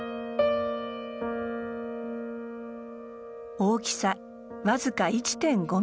大きさ僅か１．５ミリ。